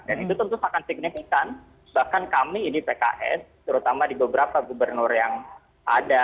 dan itu tentu akan signifikan bahkan kami ini pks terutama di beberapa gubernur yang ada